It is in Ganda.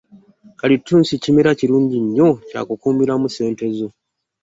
Kalittunsi kimera kirungi nnyo kya kukuumiramu ssente zo.